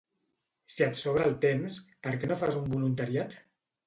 Si et sobra el temps, perquè no fas un voluntariat?